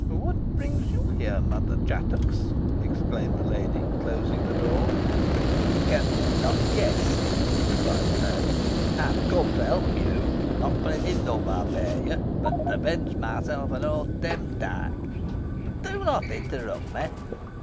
"What brings you here, Mother Chattox?" exclaimed the lady, closing the door. "Can you not guess?" replied the hag. "I am come to help you, not for any love I bear you, but to avenge myself on old Demdike. Do not interrupt me.